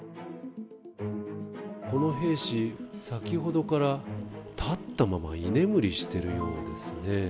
この兵士、先ほどから立ったまま居眠りしてるようですね。